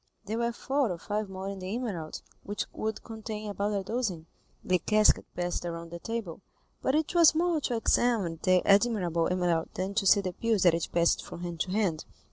There were four or five more in the emerald, which would contain about a dozen. The casket passed around the table, but it was more to examine the admirable emerald than to see the pills that it passed from hand to hand.